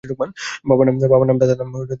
বাবার নাম, দাদার নাম, মার নাম।